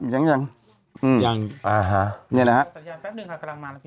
ยังยังอืมยังยังอ่าฮะเนี่ยนะฮะจักรยานแป๊บหนึ่งค่ะกำลังมาแล้วพี่